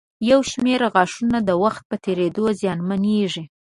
یو شمېر غاښونه د وخت په تېرېدو زیانمنېږي.